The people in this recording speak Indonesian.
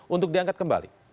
untuk diangkat kembali